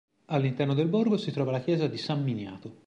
All'interno del borgo si trova la chiesa di San Miniato.